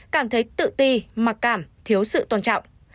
cảm thấy tự ti mặc cảm thiếu sự tôn trọng